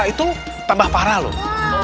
itu tambah parah loh